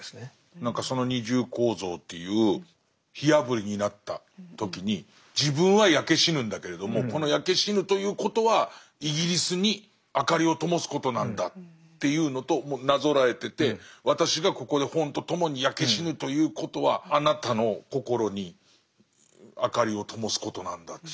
何かその二重構造という火あぶりになった時に自分は焼け死ぬんだけれどもこの焼け死ぬということはイギリスに明かりを灯すことなんだっていうのとなぞらえてて私がここで本とともに焼け死ぬということはあなたの心に明かりを灯すことなんだということですか。